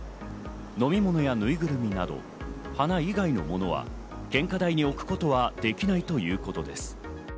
飲み物や、ぬいぐるみなど、花以外のものは献花台に置くことはできないということです。